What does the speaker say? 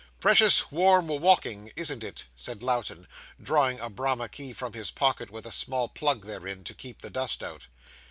'Precious warm walking, isn't it?' said Lowten, drawing a Bramah key from his pocket, with a small plug therein, to keep the dust out.